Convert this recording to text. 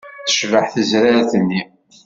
Tecbeḥ tezrart-nni.